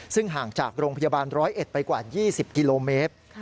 ซึ่งห่างจากโรงพยาบาล๑๐๑ไปกว่า๒๐กิโลเมตร